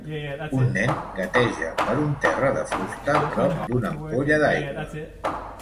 Un nen gateja per un terra de fusta prop d'una ampolla d'aigua.